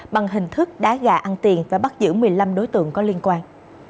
bằng hình thức đá gà ăn tiền và bắt giữ một mươi năm đối tượng có liên quan